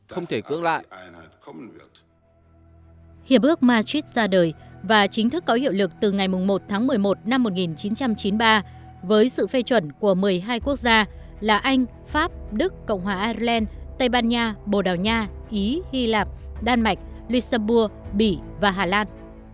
hiệp ước matrix ra đời và chính thức có hiệu lực từ ngày một tháng một mươi một năm một nghìn chín trăm chín mươi ba với sự phê chuẩn của một mươi hai quốc gia là anh pháp đức cộng hòa ireland tây ban nha bồ đào nha ý hy lạp đan mạch rembourg bỉ và hà lan